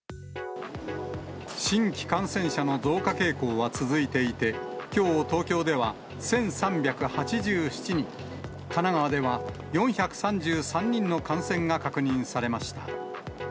新規感染者の増加傾向は続いていて、きょう東京では１３８７人、神奈川では４３３人の感染が確認されました。